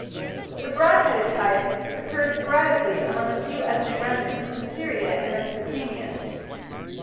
The broad headed type "occurs sporadically among a few ethnic remnants in Syria and Mesopotamia".